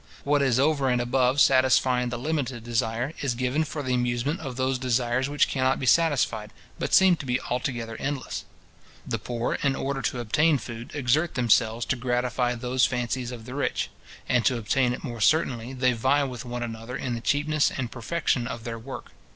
What is over and above satisfying the limited desire, is given for the amusement of those desires which cannot be satisfied, but seem to be altogether endless. The poor, in order to obtain food, exert themselves to gratify those fancies of the rich; and to obtain it more certainly, they vie with one another in the cheapness and perfection of their work.